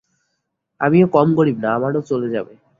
আমিও কম গরিব না, আমারও চলে যাবে।